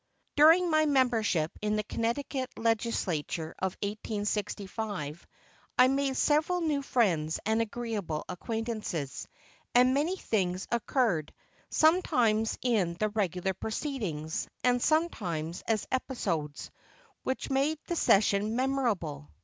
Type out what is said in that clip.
During my membership in the Connecticut Legislature of 1865, I made several new friends and agreeable acquaintances, and many things occurred, sometimes in the regular proceedings, and sometimes as episodes, which made the session memorable.